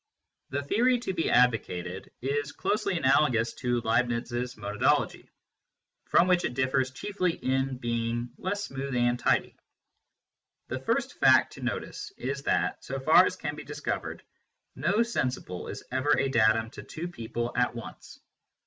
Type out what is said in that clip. The theory to be advocated is closely analogous to Leibniz s monadology, from which it differs chiefly in being less smooth and tidy. The first fact to notice is that, so far as can be dis covered, no sensibile is ever a datum to two people at SENSE DATA AND PHYSICS 159 once.